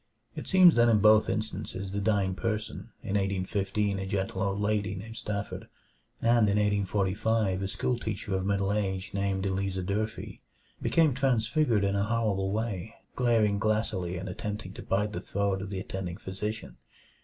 It seems that in both instances the dying person, in 1815 a gentle old lady named Stafford and in 1845 a schoolteacher of middle age named Eleazar Durfee, became transfigured in a horrible way, glaring glassily and attempting to bite the throat of the attending physician.